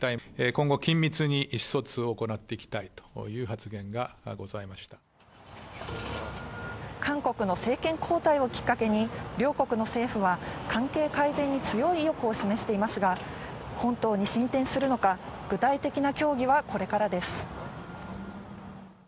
今後、緊密に意思疎通を行ってい韓国の政権交代をきっかけに、両国の政府は関係改善に強い意欲を示していますが、本当に進展するのか、具体的な協議はこれからです。